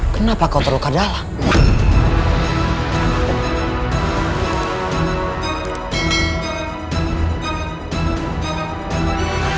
kenapa kau terluka dalam